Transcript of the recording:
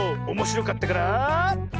おもしろかったから。